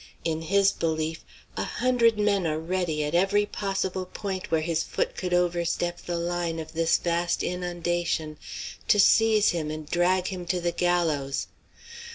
In his belief a hundred men are ready, at every possible point where his foot could overstep the line of this vast inundation, to seize him and drag him to the gallows.